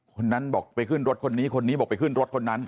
คนนั้นบอกไปขึ้นรถคนนี้คนนี้บอกไปขึ้นรถคนนั้น